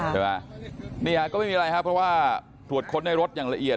ใช่ไหมเนี่ยก็ไม่มีไรครับเพราะว่าปวดค้นในรถอย่างละเอียด